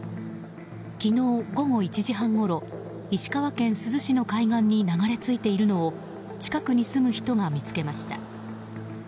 昨日午後１時半ごろ石川県珠洲市の海岸に流れ着いているのを近くに住む人が見つけました。